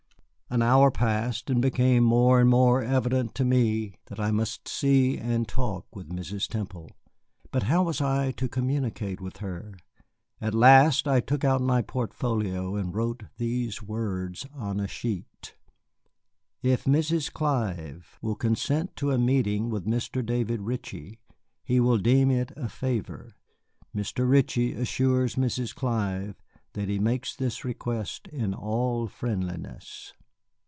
An hour passed, and it became more and more evident to me that I must see and talk with Mrs. Temple. But how was I to communicate with her? At last I took out my portfolio and wrote these words on a sheet: "If Mrs. Clive will consent to a meeting with Mr. David Ritchie, he will deem it a favor. Mr. Ritchie assures Mrs. Clive that he makes this request in all friendliness."